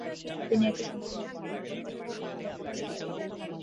তিনি একটি সম্পূর্ণ সেট কিনে সেগুলি ভারতে নিয়ে গেলেন।